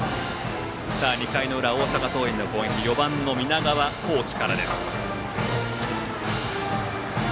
２回の裏、大阪桐蔭の攻撃４番、南川幸輝からです。